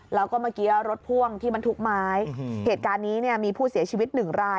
แล้วก็เมื่อกี้รถพ่วงที่บรรทุกไม้เหตุการณ์นี้เนี่ยมีผู้เสียชีวิตหนึ่งราย